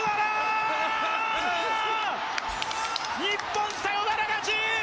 日本、サヨナラ勝ち！